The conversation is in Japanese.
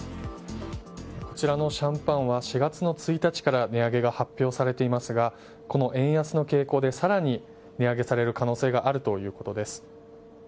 こちらのシャンパンは４月の１日から値上げが発表されていますがこの円安の傾向で更に値上げされる可能性があるということです。